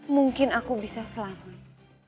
mungkin aku bisa selamat